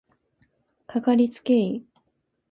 かかりつけ医